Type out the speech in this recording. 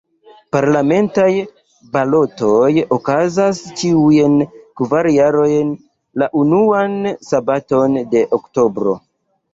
Parlamentaj balotoj okazas ĉiujn kvar jarojn, la unuan sabaton de oktobro.